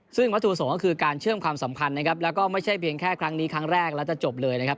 ซึ่งวัตถุประสงค์ก็คือการเชื่อมความสัมพันธ์นะครับแล้วก็ไม่ใช่เพียงแค่ครั้งนี้ครั้งแรกแล้วจะจบเลยนะครับ